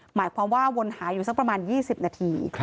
หมายความว่าวนหาอยู่สักประมาณ๒๐นาที